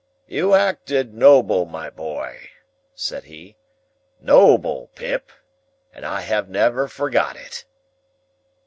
"You acted noble, my boy," said he. "Noble, Pip! And I have never forgot it!"